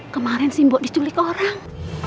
kemarin simbo diculik orang